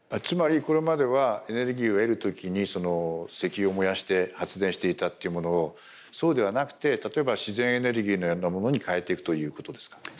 つまりこれまではエネルギーを得る時に石油を燃やして発電していたというものをそうではなくて例えば自然エネルギーのようなものに変えていくということですか？